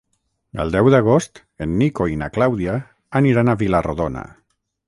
El deu d'agost en Nico i na Clàudia aniran a Vila-rodona.